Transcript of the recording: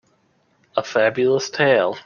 A Fabulous tale.